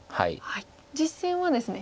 実戦はですね